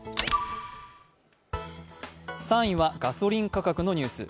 ３位はガソリン価格のニュース。